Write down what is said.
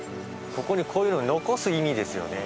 横尾：ここに、こういうのを残す意味ですよね。